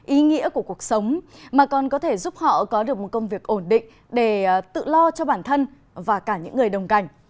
ý nghĩa của cuộc sống mà còn có thể giúp họ có được một công việc ổn định để tự lo cho bản thân và cả những người đồng cảnh